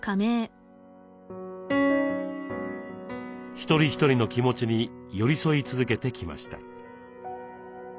一人一人の気持ちに寄り添い続けてきました。